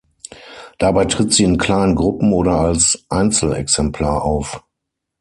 Dabei tritt sie in kleinen Gruppen oder als Einzelexemplar auf.